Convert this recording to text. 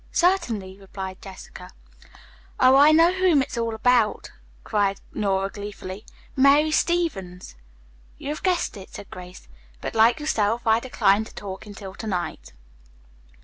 "Certainly," replied Jessica. "Oh, I know now whom it's all about," cried Nora gleefully. "Mary Stevens." "You have guessed it," said Grace, "but, like yourself, I decline to talk until to night."